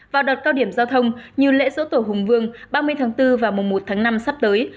vào đợt cao điểm giao thông như lễ sổ tổ hùng vương ba mươi tháng bốn và mùa một tháng năm sắp tới